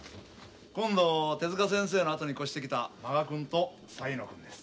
今度手先生のあとに越してきた満賀くんと才野くんです。